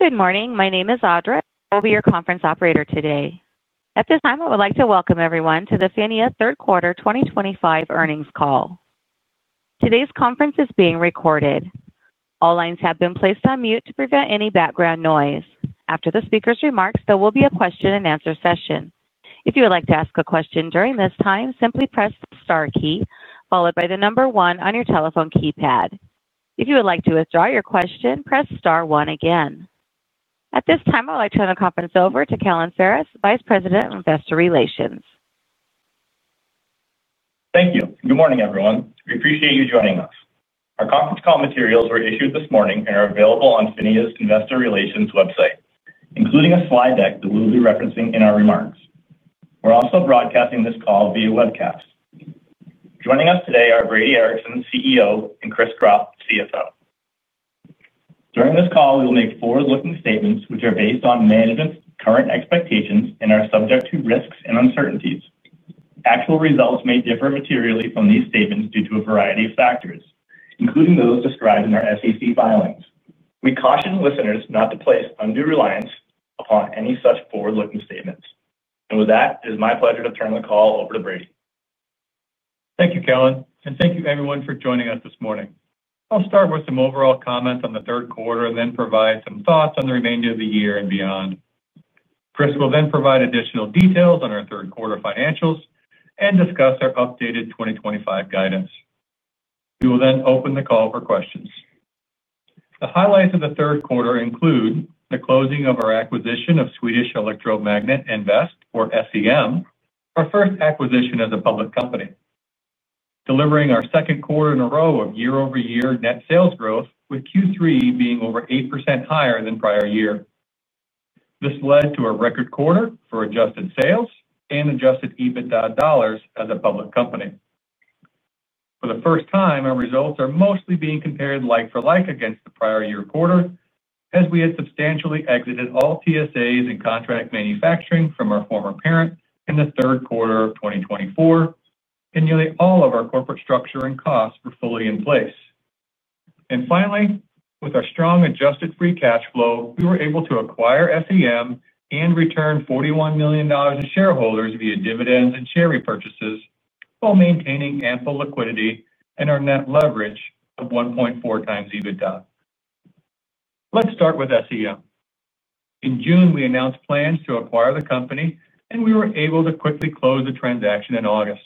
Good morning. My name is Audra. I'll be your conference operator today. At this time, I would like to welcome everyone to the PHINIA third quarter 2025 earnings call. Today's conference is being recorded. All lines have been placed on mute to prevent any background noise. After the speaker's remarks, there will be a question-and-answer session. If you would like to ask a question during this time, simply press the star key followed by the number one on your telephone keypad. If you would like to withdraw your question, press star one again. At this time, I would like to hand the conference over to Kellen Ferris, Vice President of Investor Relations. Thank you. Good morning, everyone. We appreciate you joining us. Our conference call materials were issued this morning and are available on PHINIA's Investor Relations website, including a slide deck that we will be referencing in our remarks. We're also broadcasting this call via webcast. Joining us today are Brady Ericson, CEO, and Chris Gropp, CFO. During this call, we will make forward-looking statements, which are based on management's current expectations and are subject to risks and uncertainties. Actual results may differ materially from these statements due to a variety of factors, including those described in our SEC filings. We caution listeners not to place undue reliance upon any such forward-looking statements. With that, it is my pleasure to turn the call over to Brady. Thank you, Kellen, and thank you, everyone, for joining us this morning. I'll start with some overall comments on the third quarter and then provide some thoughts on the remainder of the year and beyond. Chris will then provide additional details on our third quarter financials and discuss our updated 2025 guidance. We will then open the call for questions. The highlights of the third quarter include the closing of our acquisition of Swedish Electro Magnet Invest, or SEM, our first acquisition as a public company, delivering our second quarter in a row of year-over-year net sales growth, with Q3 being over 8% higher than prior year. This led to a record quarter for adjusted sales and Adjusted EBITDA dollars as a public company. For the first time, our results are mostly being compared like-for-like against the prior year quarter, as we had substantially exited all TSAs and contract manufacturing from our former parent in the third quarter of 2024, and nearly all of our corporate structure and costs were fully in place. Finally, with our strong adjusted free cash flow, we were able to acquire SEM and return $41 million to shareholders via dividends and share repurchases while maintaining ample liquidity and our net leverage of 1.4 times EBITDA. Let's start with SEM. In June, we announced plans to acquire the company, and we were able to quickly close the transaction in August.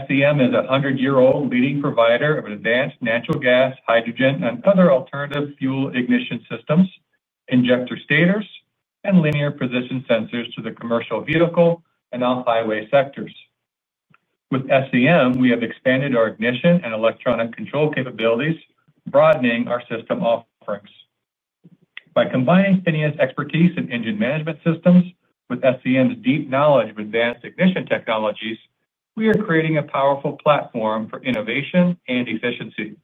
SEM is a 100-year-old leading provider of advanced natural gas, hydrogen, and other alternative fuel ignition systems, injector staters, and linear position sensors to the commercial vehicle and off-highway sectors. With SEM, we have expanded our ignition and electronic control capabilities, broadening our system offerings. By combining PHINIA's expertise in engine management systems with SEM's deep knowledge of advanced ignition technologies, we are creating a powerful platform for innovation and efficiency.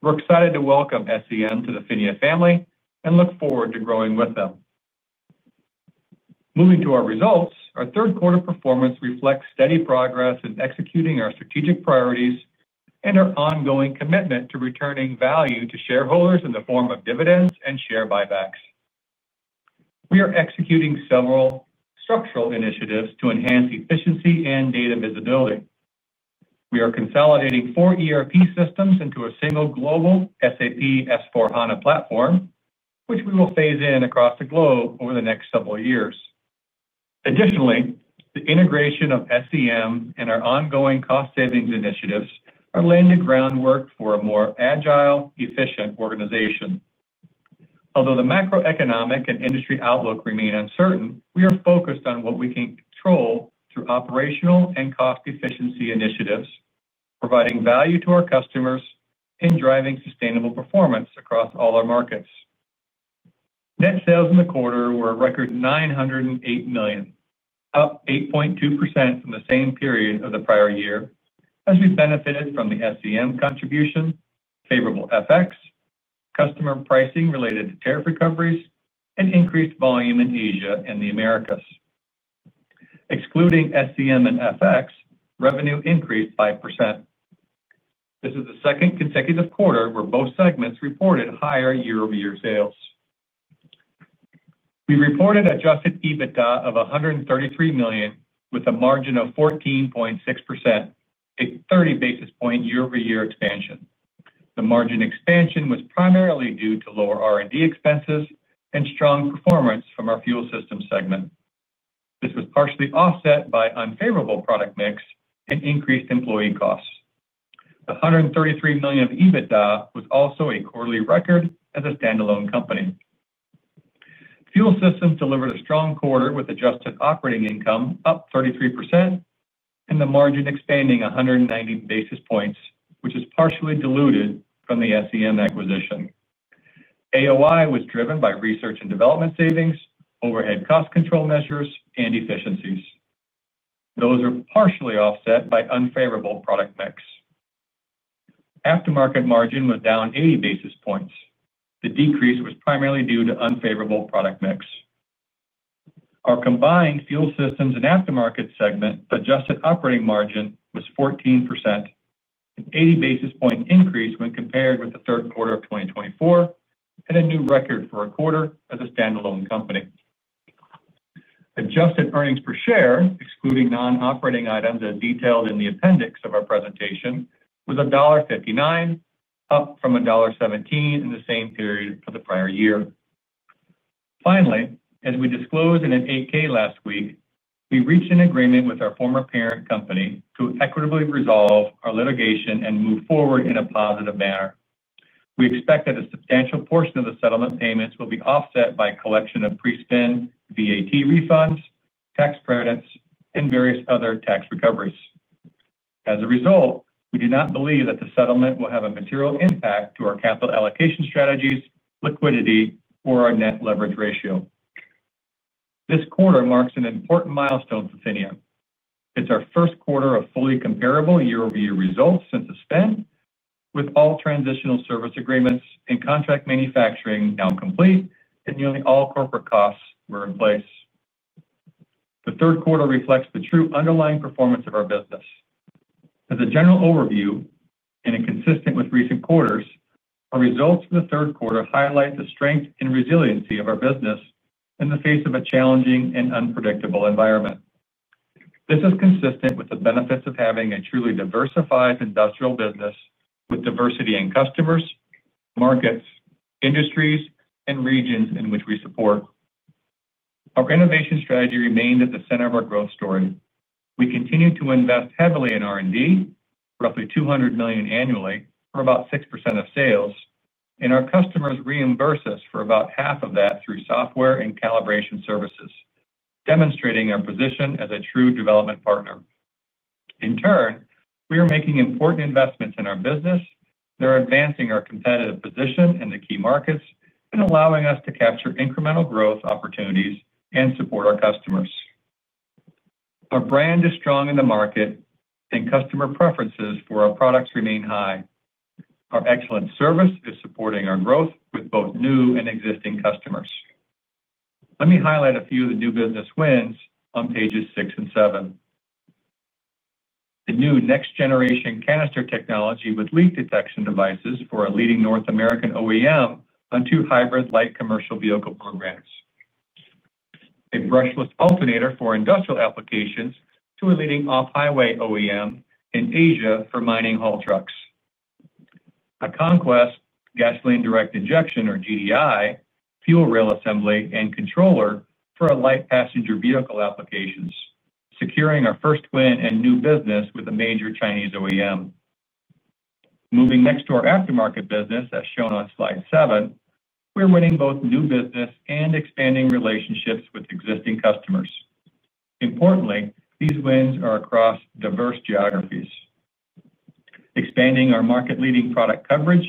We're excited to welcome SEM to the PHINIA family and look forward to growing with them. Moving to our results, our third quarter performance reflects steady progress in executing our strategic priorities and our ongoing commitment to returning value to shareholders in the form of dividends and share buybacks. We are executing several structural initiatives to enhance efficiency and data visibility. We are consolidating four ERP systems into a single global SAP S/4HANA platform, which we will phase in across the globe over the next several years. Additionally, the integration of SEM and our ongoing cost-savings initiatives are laying the groundwork for a more agile, efficient organization. Although the macroeconomic and industry outlook remain uncertain, we are focused on what we can control through operational and cost efficiency initiatives, providing value to our customers and driving sustainable performance across all our markets. Net sales in the quarter were a record $908 million, up 8.2% from the same period of the prior year, as we benefited from the SEM contribution, favorable FX, customer pricing related to tariff recoveries, and increased volume in Asia and the Americas. Excluding SEM and FX, revenue increased 5%. This is the second consecutive quarter where both segments reported higher year-over-year sales. We reported Adjusted EBITDA of $133 million with a margin of 14.6%, a 30 basis point year-over-year expansion. The margin expansion was primarily due to lower R&D expenses and strong performance from our fuel systems segment. This was partially offset by unfavorable product mix and increased employee costs. The $133 million of EBITDA was also a quarterly record as a standalone company. Fuel systems delivered a strong quarter with adjusted operating income up 33% and the margin expanding 190 basis points, which is partially diluted from the SEM acquisition. AOI was driven by research and development savings, overhead cost control measures, and efficiencies. Those are partially offset by unfavorable product mix. Aftermarket margin was down 80 basis points. The decrease was primarily due to unfavorable product mix. Our combined fuel systems and aftermarket segment adjusted operating margin was 14%, an 80 basis point increase when compared with the third quarter of 2024, and a new record for a quarter as a standalone company. Adjusted earnings per share, excluding non-operating items as detailed in the appendix of our presentation, was $1.59, up from $1.17 in the same period for the prior year. Finally, as we disclosed in an AK last week, we reached an agreement with our former parent company to equitably resolve our litigation and move forward in a positive manner. We expect that a substantial portion of the settlement payments will be offset by a collection of pre-spend VAT refunds, tax credits, and various other tax recoveries. As a result, we do not believe that the settlement will have a material impact to our capital allocation strategies, liquidity, or our net leverage ratio. This quarter marks an important milestone for PHINIA. It's our first quarter of fully comparable year-over-year results since the spin, with all transitional service agreements and contract manufacturing now complete, and nearly all corporate costs in place. The third quarter reflects the true underlying performance of our business. As a general overview and consistent with recent quarters, our results for the third quarter highlight the strength and resiliency of our business in the face of a challenging and unpredictable environment. This is consistent with the benefits of having a truly diversified industrial business with diversity in customers, markets, industries, and regions in which we support. Our innovation strategy remained at the center of our growth story. We continue to invest heavily in R&D, roughly $200 million annually for about 6% of sales, and our customers reimburse us for about half of that through software and calibration services, demonstrating our position as a true development partner. In turn, we are making important investments in our business that are advancing our competitive position in the key markets and allowing us to capture incremental growth opportunities and support our customers. Our brand is strong in the market, and customer preferences for our products remain high. Our excellent service is supporting our growth with both new and existing customers. Let me highlight a few of the new business wins on pages six and seven. The new next-generation canister technology with leak detection devices for a leading North American OEM on two hybrid light commercial vehicle programs. A brushless alternator for industrial applications to a leading off-highway OEM in Asia for mining haul trucks. A conquest gasoline direct injection, or GDI, fuel rail assembly and controller for light passenger vehicle applications, securing our first win and new business with a major Chinese OEM. Moving next to our aftermarket business, as shown on slide seven, we're winning both new business and expanding relationships with existing customers. Importantly, these wins are across diverse geographies. Expanding our market-leading product coverage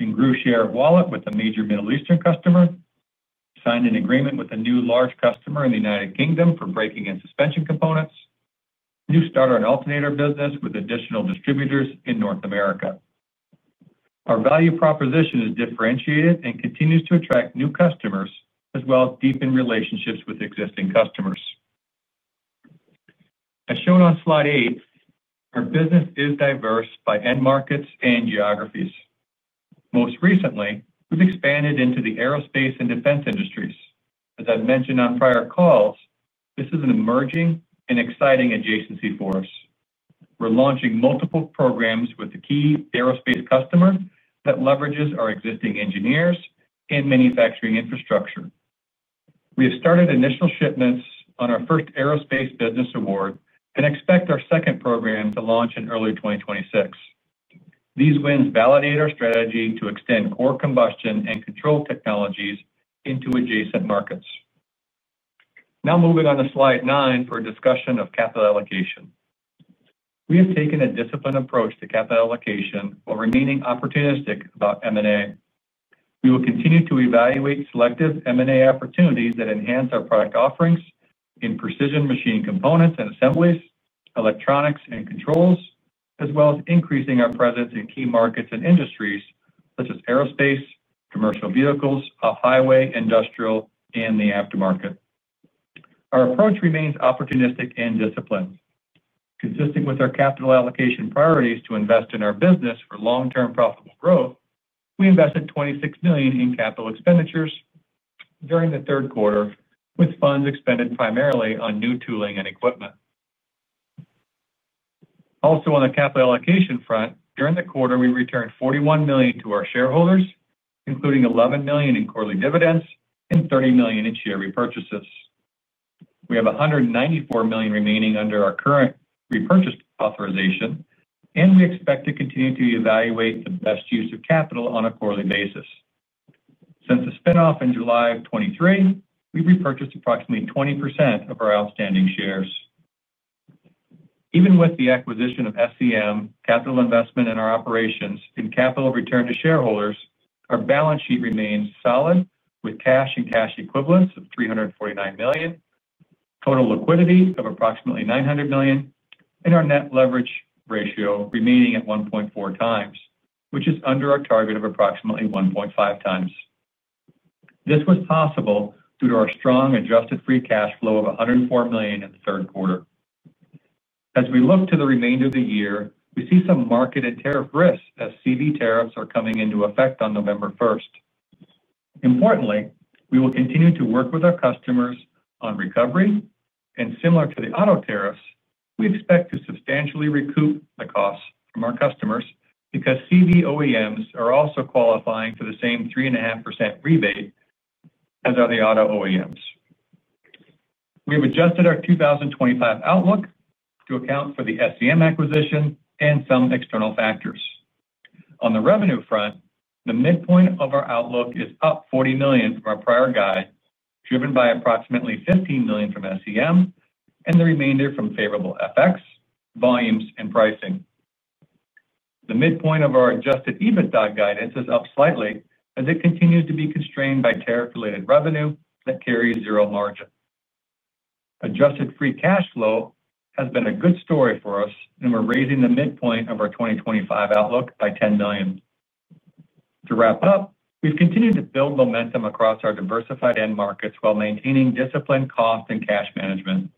in Groosh Air Wallet with a major Middle Eastern customer, signed an agreement with a new large customer in the United Kingdom for braking and suspension components, a new starter and alternator business with additional distributors in North America. Our value proposition is differentiated and continues to attract new customers, as well as deepen relationships with existing customers. As shown on slide eight, our business is diverse by end markets and geographies. Most recently, we've expanded into the aerospace and defense industries. As I've mentioned on prior calls, this is an emerging and exciting adjacency for us. We're launching multiple programs with a key aerospace customer that leverages our existing engineers and manufacturing infrastructure. We have started initial shipments on our first aerospace business award and expect our second program to launch in early 2026. These wins validate our strategy to extend core combustion and control technologies into adjacent markets. Now moving on to slide nine for a discussion of capital allocation. We have taken a disciplined approach to capital allocation while remaining opportunistic about M&A. We will continue to evaluate selective M&A opportunities that enhance our product offerings in precision machine components and assemblies, electronics and controls, as well as increasing our presence in key markets and industries such as aerospace, commercial vehicles, off-highway, industrial, and the aftermarket. Our approach remains opportunistic and disciplined. Consistent with our capital allocation priorities to invest in our business for long-term profitable growth, we invested $26 million in capital expenditures during the third quarter, with funds expended primarily on new tooling and equipment. Also, on the capital allocation front, during the quarter, we returned $41 million to our shareholders, including $11 million in quarterly dividends and $30 million in share repurchases. We have $194 million remaining under our current repurchase authorization, and we expect to continue to evaluate the best use of capital on a quarterly basis. Since the spin-off in July of 2023, we repurchased approximately 20% of our outstanding shares. Even with the acquisition of SEM, capital investment in our operations, and capital return to shareholders, our balance sheet remains solid with cash and cash equivalents of $349 million, total liquidity of approximately $900 million, and our net leverage ratio remaining at 1.4 times, which is under our target of approximately 1.5 times. This was possible due to our strong adjusted free cash flow of $104 million in the third quarter. As we look to the remainder of the year, we see some market and tariff risks as CB tariffs are coming into effect on November 1. Importantly, we will continue to work with our customers on recovery, and similar to the auto tariffs, we expect to substantially recoup the costs from our customers because CB OEMs are also qualifying for the same 3.5% rebate as are the auto OEMs. We have adjusted our 2025 outlook to account for the SEM acquisition and some external factors. On the revenue front, the midpoint of our outlook is up $40 million from our prior guide, driven by approximately $15 million from SEM and the remainder from favorable FX, volumes, and pricing. The midpoint of our Adjusted EBITDA guidance is up slightly as it continues to be constrained by tariff-related revenue that carries zero margin. Adjusted free cash flow has been a good story for us, and we're raising the midpoint of our 2025 outlook by $10 million. To wrap up, we've continued to build momentum across our diversified end markets while maintaining disciplined cost and cash management.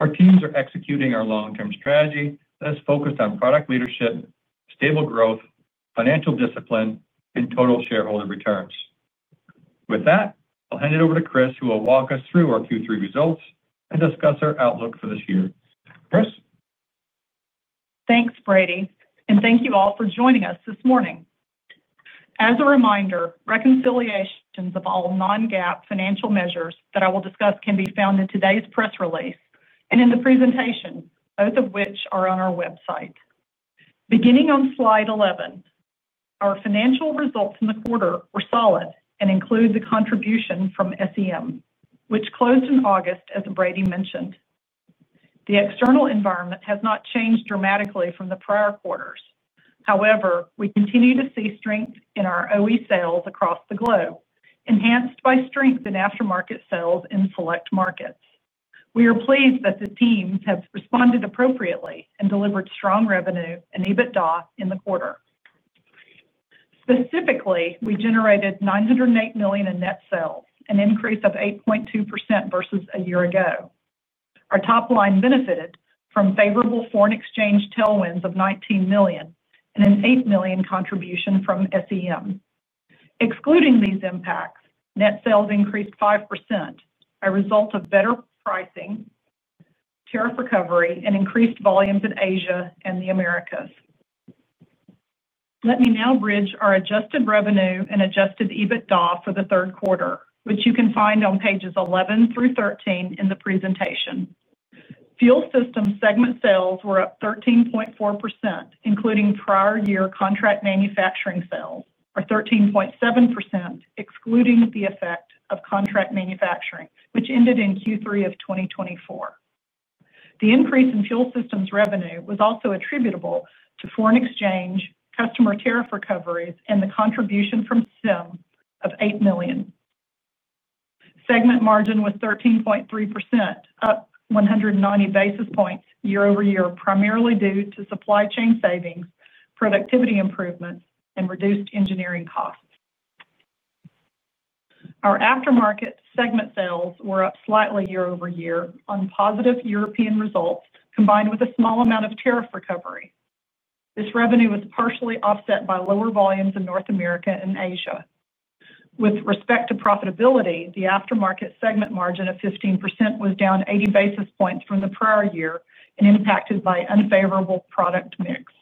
Our teams are executing our long-term strategy that is focused on product leadership, stable growth, financial discipline, and total shareholder returns. With that, I'll hand it over to Chris, who will walk us through our Q3 results and discuss our outlook for this year. Chris? Thanks, Brady, and thank you all for joining us this morning. As a reminder, reconciliations of all non-GAAP financial measures that I will discuss can be found in today's press release and in the presentation, both of which are on our website. Beginning on slide 11, our financial results in the quarter were solid and include the contribution from SEM, which closed in August, as Brady mentioned. The external environment has not changed dramatically from the prior quarters. However, we continue to see strength in our OE sales across the globe, enhanced by strength in aftermarket sales in select markets. We are pleased that the teams have responded appropriately and delivered strong revenue and EBITDA in the quarter. Specifically, we generated $908 million in net sales, an increase of 8.2% versus a year ago. Our top line benefited from favorable foreign exchange tailwinds of $19 million and an $8 million contribution from SEM. Excluding these impacts, net sales increased 5%, a result of better pricing, tariff recovery, and increased volumes in Asia and the Americas. Let me now bridge our adjusted revenue and Adjusted EBITDA for the third quarter, which you can find on pages 11 through 13 in the presentation. Fuel systems segment sales were up 13.4%, including prior year contract manufacturing sales, or 13.7% excluding the effect of contract manufacturing, which ended in Q3 of 2024. The increase in fuel systems revenue was also attributable to foreign exchange, customer tariff recoveries, and the contribution from SEM of $8 million. Segment margin was 13.3%, up 190 basis points year-over-year, primarily due to supply chain savings, productivity improvements, and reduced engineering costs. Our aftermarket segment sales were up slightly year-over-year on positive European results, combined with a small amount of tariff recovery. This revenue was partially offset by lower volumes in North America and Asia. With respect to profitability, the aftermarket segment margin of 15% was down 80 basis points from the prior year and impacted by unfavorable product mix.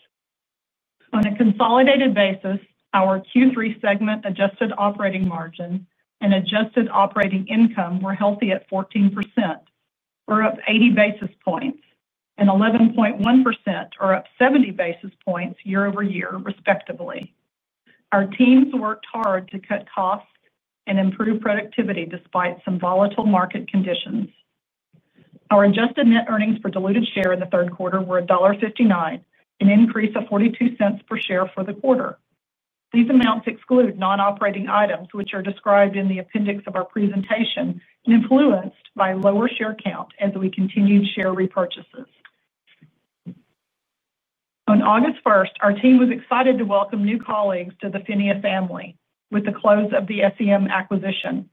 On a consolidated basis, our Q3 segment adjusted operating margin and adjusted operating income were healthy at 14%, or up 80 basis points, and 11.1%, or up 70 basis points year-over-year, respectively. Our teams worked hard to cut costs and improve productivity despite some volatile market conditions. Our adjusted net earnings per diluted share in the third quarter were $1.59, an increase of $0.42 per share for the quarter. These amounts exclude non-operating items, which are described in the appendix of our presentation and influenced by lower share count as we continued share repurchases. On August 1, our team was excited to welcome new colleagues to the PHINIA family with the close of the SEM acquisition.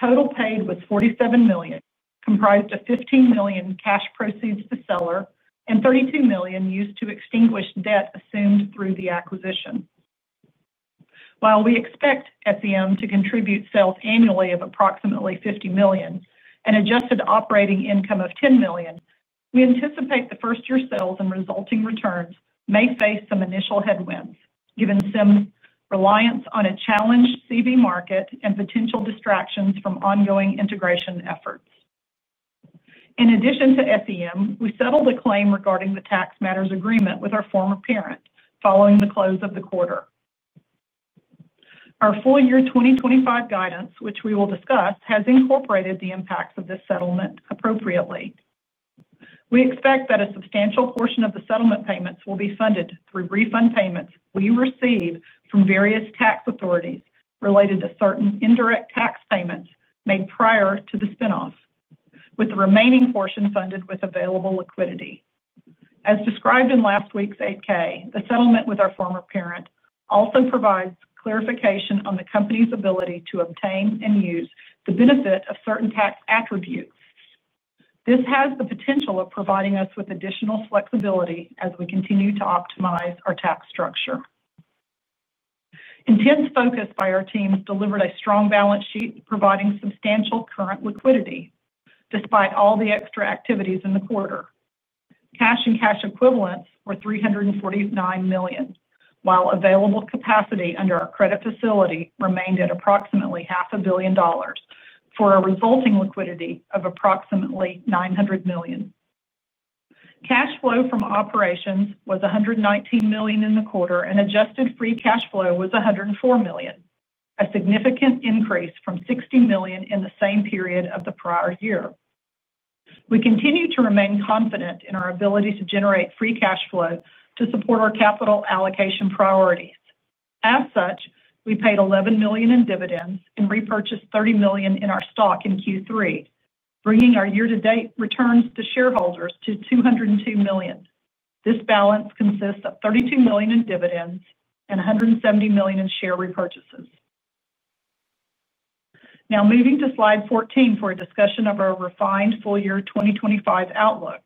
Total paid was $47 million, comprised of $15 million in cash proceeds to seller and $32 million used to extinguish debt assumed through the acquisition. While we expect SEM to contribute sales annually of approximately $50 million and adjusted operating income of $10 million, we anticipate the first-year sales and resulting returns may face some initial headwinds, given SEM's reliance on a challenged CB market and potential distractions from ongoing integration efforts. In addition to SEM, we settled a claim regarding the tax matters agreement with our former parent following the close of the quarter. Our full year 2025 guidance, which we will discuss, has incorporated the impacts of this settlement appropriately. We expect that a substantial portion of the settlement payments will be funded through refund payments we receive from various tax authorities related to certain indirect tax payments made prior to the spin-off, with the remaining portion funded with available liquidity. As described in last week's 8-K, the settlement with our former parent also provides clarification on the company's ability to obtain and use the benefit of certain tax attributes. This has the potential of providing us with additional flexibility as we continue to optimize our tax structure. Intense focus by our teams delivered a strong balance sheet, providing substantial current liquidity despite all the extra activities in the quarter. Cash and cash equivalents were $349 million, while available capacity under our credit facility remained at approximately half a billion dollars for a resulting liquidity of approximately $900 million. Cash flow from operations was $119 million in the quarter, and adjusted free cash flow was $104 million, a significant increase from $60 million in the same period of the prior year. We continue to remain confident in our ability to generate free cash flow to support our capital allocation priorities. As such, we paid $11 million in dividends and repurchased $30 million in our stock in Q3, bringing our year-to-date returns to shareholders to $202 million. This balance consists of $32 million in dividends and $170 million in share repurchases. Now moving to slide 14 for a discussion of our refined full year 2025 outlook.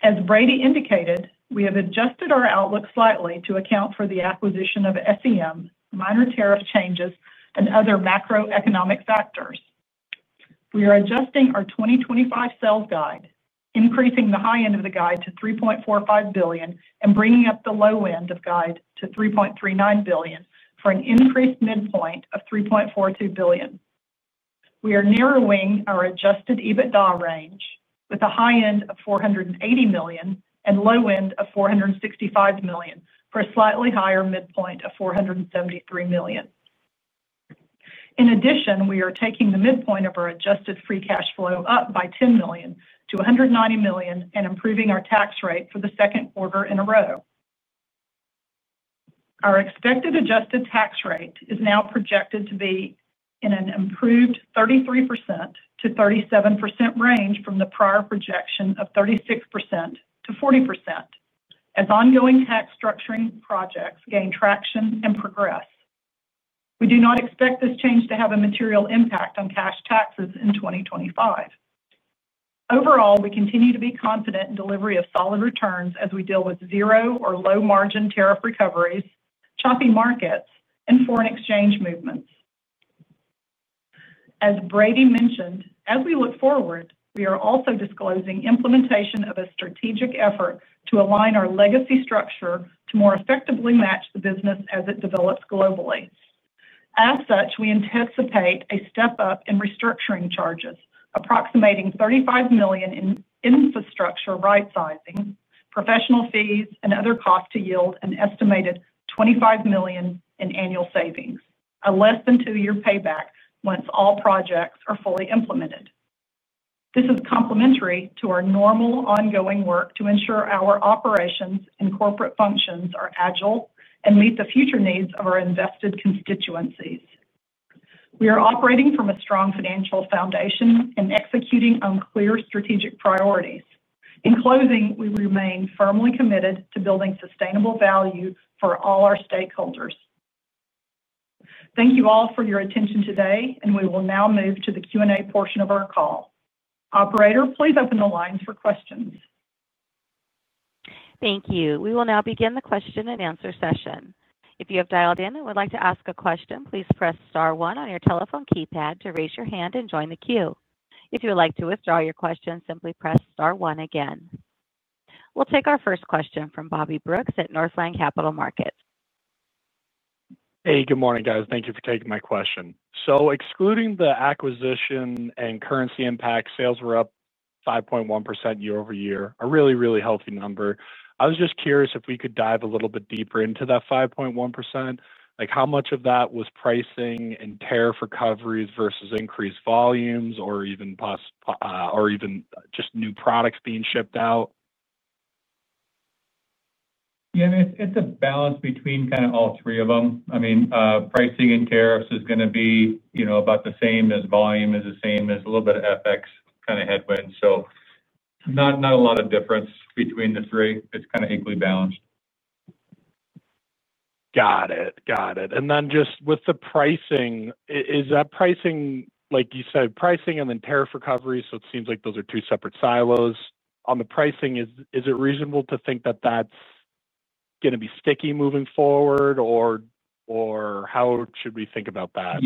As Brady indicated, we have adjusted our outlook slightly to account for the acquisition of SEM, minor tariff changes, and other macroeconomic factors. We are adjusting our 2025 sales guide, increasing the high end of the guide to $3.45 billion and bringing up the low end of guide to $3.39 billion for an increased midpoint of $3.42 billion. We are narrowing our Adjusted EBITDA range with a high end of $480 million and low end of $465 million for a slightly higher midpoint of $473 million. In addition, we are taking the midpoint of our adjusted free cash flow up by $10 million-$190 million and improving our tax rate for the second quarter in a row. Our expected adjusted tax rate is now projected to be in an improved 33%-37% range from the prior projection of 36%-40% as ongoing tax structuring projects gain traction and progress. We do not expect this change to have a material impact on cash taxes in 2025. Overall, we continue to be confident in delivery of solid returns as we deal with zero or low margin tariff recoveries, choppy markets, and foreign exchange movements. As Brady mentioned, as we look forward, we are also disclosing the implementation of a strategic effort to align our legacy structure to more effectively match the business as it develops globally. As such, we anticipate a step up in restructuring charges, approximating $35 million in infrastructure rightsizing, professional fees, and other costs to yield an estimated $25 million in annual savings, a less than two-year payback once all projects are fully implemented. This is complementary to our normal ongoing work to ensure our operations and corporate functions are agile and meet the future needs of our invested constituencies. We are operating from a strong financial foundation and executing on clear strategic priorities. In closing, we remain firmly committed to building sustainable value for all our stakeholders. Thank you all for your attention today, and we will now move to the Q&A portion of our call. Operator, please open the lines for questions. Thank you. We will now begin the question-and-answer session. If you have dialed in and would like to ask a question, please press star one on your telephone keypad to raise your hand and join the queue. If you would like to withdraw your question, simply press star one again. We'll take our first question from Bobby Brooks at Northland Capital Markets. Good morning, guys. Thank you for taking my question. Excluding the acquisition and currency impact, sales were up 5.1% year-over-year, a really, really healthy number. I was just curious if we could dive a little bit deeper into that 5.1%. How much of that was pricing and tariff recoveries versus increased volumes or even just new products being shipped out? Yeah, I mean, it's a balance between kind of all three of them. I mean, pricing and tariffs is going to be about the same as volume, is the same as a little bit of FX kind of headwind. Not a lot of difference between the three. It's kind of equally balanced. Got it. Is that pricing, like you said, pricing and then tariff recovery? It seems like those are two separate silos. On the pricing, is it reasonable to think that that's going to be sticky moving forward, or how should we think about that?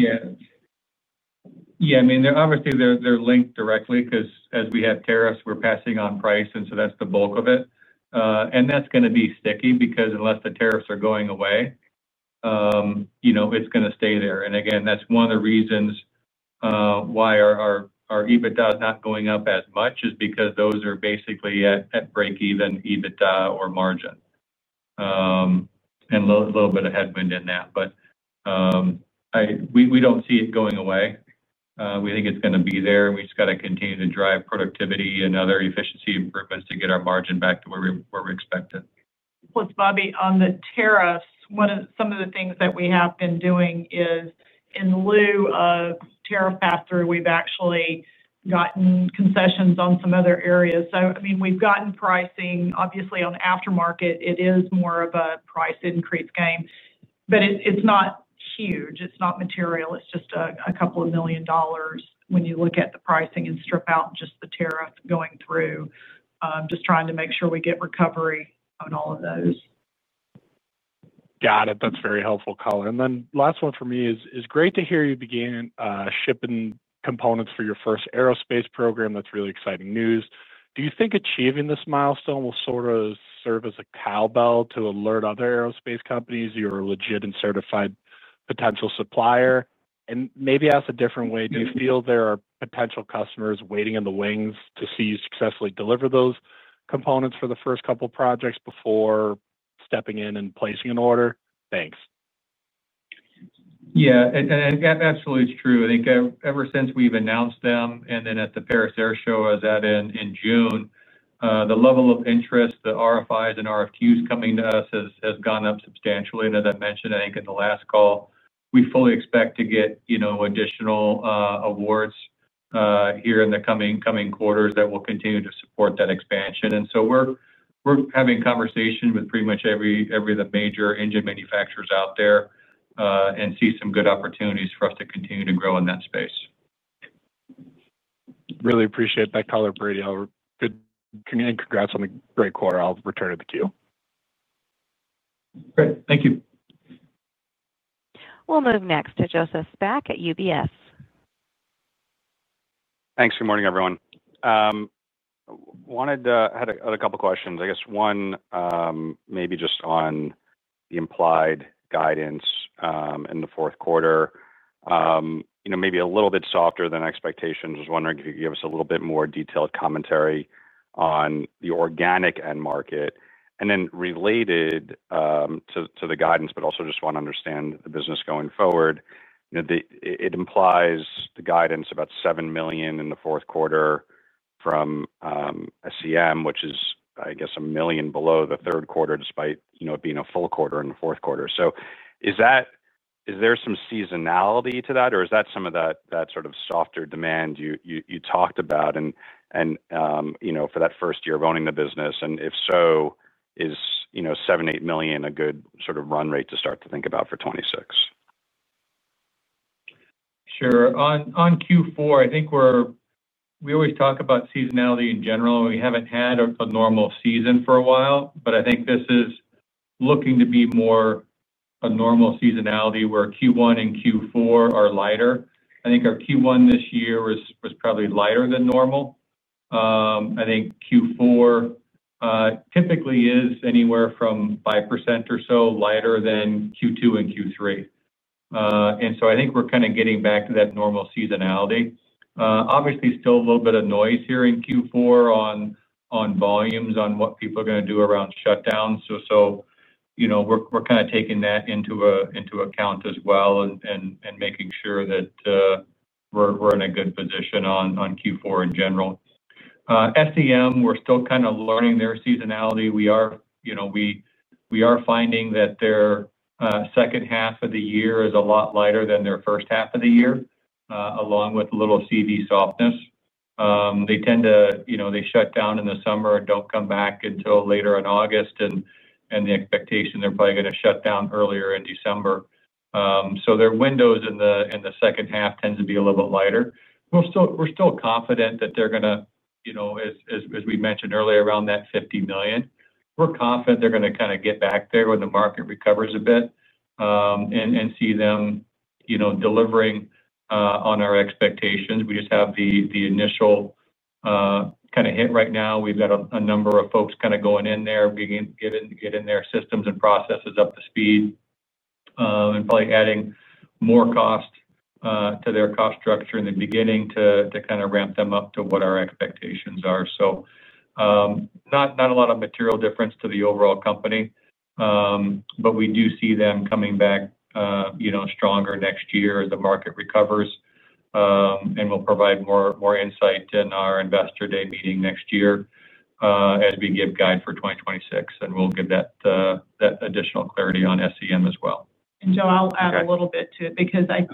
Yeah, I mean, obviously, they're linked directly because as we have tariffs, we're passing on price, and that's the bulk of it. That's going to be sticky because unless the tariffs are going away, you know, it's going to stay there. That's one of the reasons why our EBITDA is not going up as much is because those are basically at break-even EBITDA or margin and a little bit of headwind in that. We don't see it going away. We think it's going to be there, and we just got to continue to drive productivity and other efficiency improvements to get our margin back to where we expect it. On the tariffs, one of some of the things that we have been doing is in lieu of tariff pass-through, we've actually gotten concessions on some other areas. I mean, we've gotten pricing, obviously, on the aftermarket. It is more of a price increase game, but it's not huge. It's not material. It's just a couple of million dollars when you look at the pricing and strip out just the tariff going through, just trying to make sure we get recovery on all of those. Got it. That's very helpful, Colin. Last one for me is great to hear you begin shipping components for your first aerospace program. That's really exciting news. Do you think achieving this milestone will sort of serve as a cowbell to alert other aerospace companies you're a legit and certified potential supplier? Maybe ask a different way. Do you feel there are potential customers waiting in the wings to see you successfully deliver those components for the first couple of projects before stepping in and placing an order? Thanks. Yeah, that absolutely is true. I think ever since we've announced them and then at the Paris Air Show I was at in June, the level of interest, the RFIs and RFQs coming to us has gone up substantially. As I mentioned, I think in the last call, we fully expect to get additional awards here in the coming quarters that will continue to support that expansion. We're having conversations with pretty much every major engine manufacturer out there and see some good opportunities for us to continue to grow in that space. Really appreciate that, Kellen and Brady. All good. And congrats on the great quarter. I'll return to the queue. Great. Thank you. We'll move next to Joseph Spak at UBS. Thanks. Good morning, everyone. I had a couple of questions. I guess one maybe just on the implied guidance in the fourth quarter, you know, maybe a little bit softer than expectations. I was wondering if you could give us a little bit more detailed commentary on the organic end market and then related to the guidance, but also just want to understand the business going forward. It implies the guidance about $7 million in the fourth quarter from SEM, which is, I guess, $1 million below the third quarter despite it being a full quarter in the fourth quarter. Is there some seasonality to that, or is that some of that sort of softer demand you talked about? For that first year of owning the business, and if so, is $7 million, $8 million a good sort of run rate to start to think about for 2026? Sure. On Q4, I think we always talk about seasonality in general. We haven't had a normal season for a while, but I think this is looking to be more a normal seasonality where Q1 and Q4 are lighter. I think our Q1 this year was probably lighter than normal. I think Q4 typically is anywhere from 5% or so lighter than Q2 and Q3. I think we're kind of getting back to that normal seasonality. Obviously, still a little bit of noise here in Q4 on volumes on what people are going to do around shutdowns. We're kind of taking that into account as well and making sure that we're in a good position on Q4 in general. SEM, we're still kind of learning their seasonality. We are finding that their second half of the year is a lot lighter than their first half of the year, along with a little CV softness. They tend to shut down in the summer and don't come back until later in August, and the expectation is they're probably going to shut down earlier in December. Their windows in the second half tend to be a little bit lighter. We're still confident that they're going to, as we mentioned earlier, around that $50 million. We're confident they're going to kind of get back there when the market recovers a bit and see them delivering on our expectations. We just have the initial kind of hit right now. We've got a number of folks going in there, getting their systems and processes up to speed and probably adding more cost to their cost structure in the beginning to kind of ramp them up to what our expectations are. Not a lot of material difference to the overall company, but we do see them coming back stronger next year as the market recovers, and we'll provide more insight in our investor day meeting next year as we give guide for 2026, and we'll give that additional clarity on SEM as well. Joe, I'll add a little bit to it because I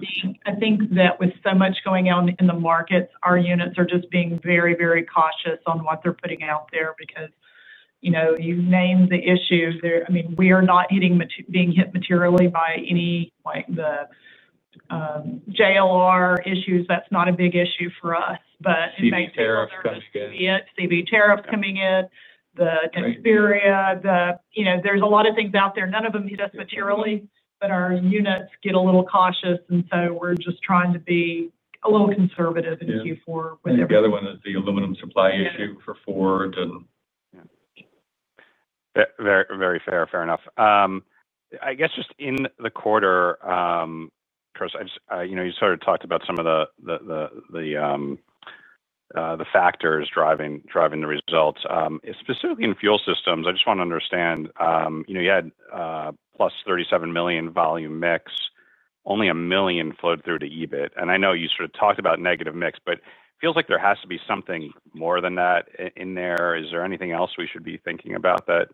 think that with so much going on in the markets, our units are just being very, very cautious on what they're putting out there because, you know, you've named the issues. I mean, we are not being hit materially by any, like, the JLR issues. That's not a big issue for us, but it makes CB tariffs coming in. The Xperia, you know, there's a lot of things out there. None of them hit us materially, but our units get a little cautious, and so we're just trying to be a little conservative in Q4 with everything. The other one is the aluminum supply issue for Ford. Very fair. Fair enough. I guess just in the quarter, Chris, you sort of talked about some of the factors driving the results. Specifically in fuel systems, I just want to understand, you had +$37 million volume mix, only $1 million flowed through to EBIT. I know you sort of talked about negative mix, but it feels like there has to be something more than that in there. Is there anything else we should be thinking about that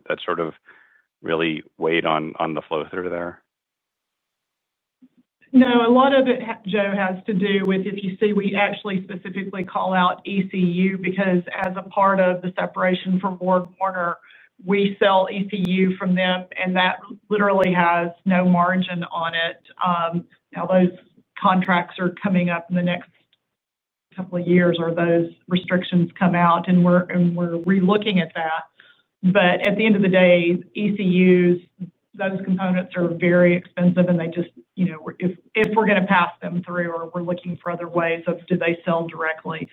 really weighed on the flow-through there? No, a lot of it, Joe, has to do with, if you see, we actually specifically call out ECU because as a part of the separation from BorgWarner, we sell ECU from them, and that literally has no margin on it. Now, those contracts are coming up in the next couple of years or those restrictions come out, and we're relooking at that. At the end of the day, ECUs, those components are very expensive, and they just, you know, if we're going to pass them through or we're looking for other ways of do they sell directly.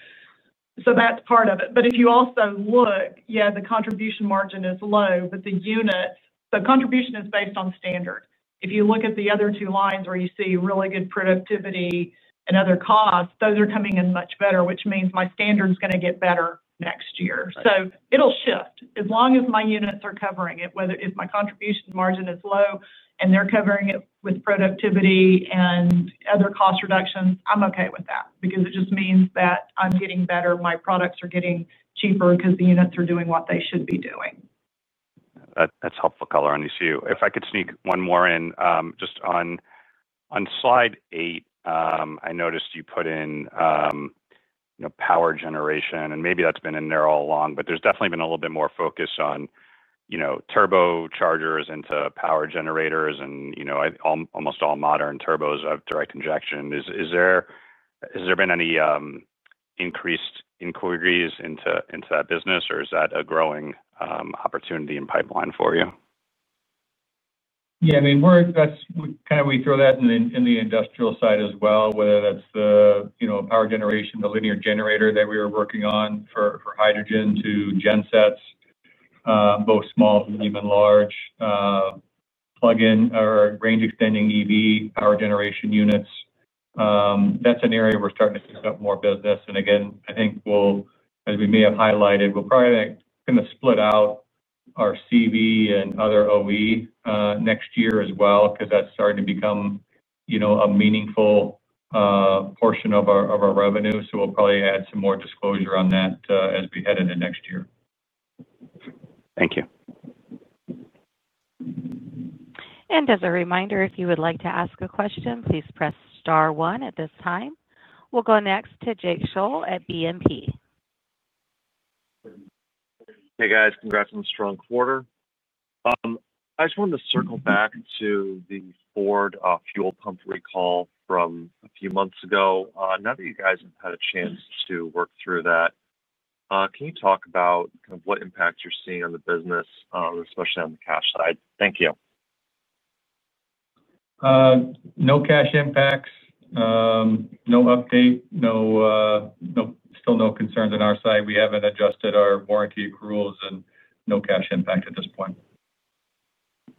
That's part of it. If you also look, yeah, the contribution margin is low, but the units, the contribution is based on standard. If you look at the other two lines where you see really good productivity and other costs, those are coming in much better, which means my standard is going to get better next year. It will shift as long as my units are covering it. Whether my contribution margin is low and they're covering it with productivity and other cost reductions, I'm okay with that because it just means that I'm getting better. My products are getting cheaper because the units are doing what they should be doing. That's helpful, Colin. If I could sneak one more in, just on slide eight, I noticed you put in, you know, power generation, and maybe that's been in there all along, but there's definitely been a little bit more focus on, you know, turbochargers into power generators and, you know, almost all modern turbos of direct injection. Has there been any increased inquiries into that business, or is that a growing opportunity and pipeline for you? Yeah, I mean, we throw that in the industrial side as well, whether that's the power generation, the linear generator that we were working on for hydrogen to gen sets, both small, medium, and large plug-in or range extending EV power generation units. That's an area we're starting to pick up more business. I think we'll, as we may have highlighted, we're probably going to split out our CV and other OE next year as well because that's starting to become a meaningful portion of our revenue. We'll probably add some more disclosure on that as we head into next year. Thank you. As a reminder, if you would like to ask a question, please press star one at this time. We'll go next to Jake Scholl at BNP. Hey, guys. Congrats on the strong quarter. I just wanted to circle back to the Ford fuel pump recall from a few months ago. Now that you guys have had a chance to work through that, can you talk about what impact you're seeing on the business, especially on the cash side? Thank you. No cash impacts. No update. Still no concerns on our side. We haven't adjusted our warranty accruals, and no cash impact at this point.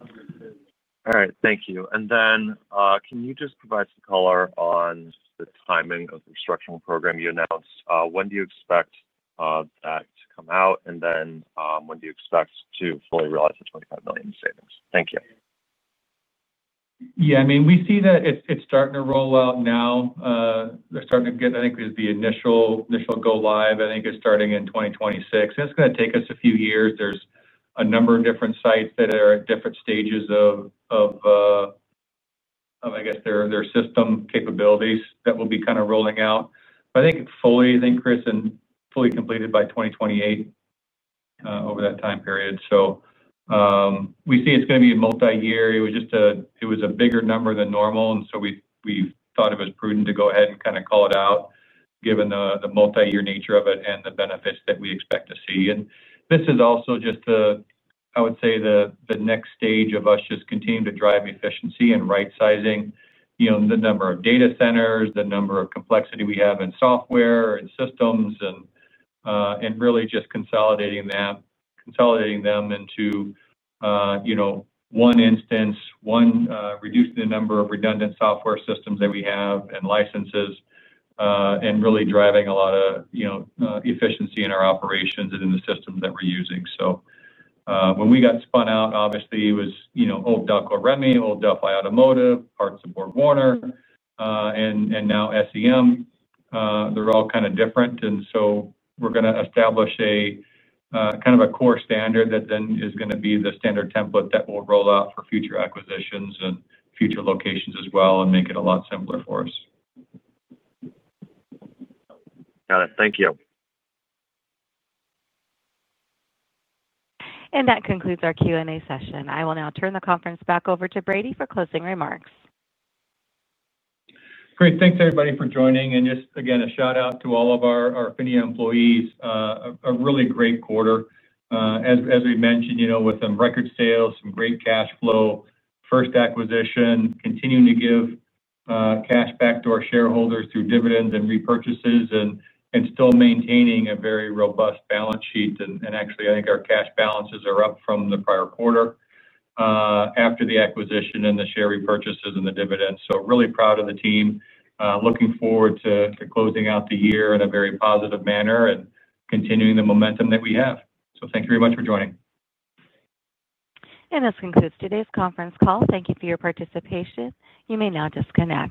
All right. Thank you. Can you just provide some color on the timing of the restructuring program you announced? When do you expect that to come out? When do you expect to fully realize the $25 million savings? Thank you. Yeah, I mean, we see that it's starting to roll out now. They're starting to get, I think, is the initial go live. I think it's starting in 2026. It's going to take us a few years. There's a number of different sites that are at different stages of, I guess, their system capabilities that will be kind of rolling out. I think, Chris, and fully completed by 2028 over that time period. We see it's going to be a multi-year. It was just a bigger number than normal. We thought it was prudent to go ahead and kind of call it out given the multi-year nature of it and the benefits that we expect to see. This is also just the, I would say, the next stage of us just continuing to drive efficiency and right-sizing, you know, the number of data centers, the number of complexity we have in software and systems, and really just consolidating that, consolidating them into, you know, one instance, reducing the number of redundant software systems that we have and licenses, and really driving a lot of, you know, efficiency in our operations and in the systems that we're using. When we got spun out, obviously, it was, you know, Old Duck, Old Remy, Old Delphi Automotive, parts of BorgWarner, and now SEM. They're all kind of different. We're going to establish a kind of a core standard that then is going to be the standard template that will roll out for future acquisitions and future locations as well and make it a lot simpler for us. Got it. Thank you. That concludes our Q&A session. I will now turn the conference back over to Brady for closing remarks. Great. Thanks, everybody, for joining. Just again, a shout out to all of our PHINIA employees. A really great quarter, as we mentioned, with some record sales, some great cash flow, first acquisition, continuing to give cash back to our shareholders through dividends and repurchases, and still maintaining a very robust balance sheet. I think our cash balances are up from the prior quarter after the acquisition and the share repurchases and the dividends. Really proud of the team. Looking forward to closing out the year in a very positive manner and continuing the momentum that we have. Thank you very much for joining. This concludes today's conference call. Thank you for your participation. You may now disconnect.